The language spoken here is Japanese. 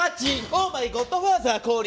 オーマイゴッドファーザー降臨！